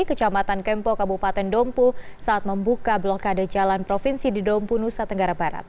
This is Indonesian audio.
kecamatan kempo kabupaten dompu saat membuka blokade jalan provinsi di dompu nusa tenggara barat